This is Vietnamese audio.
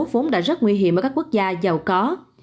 vốn đã rất nguy hiểm ở các quốc gia giàu có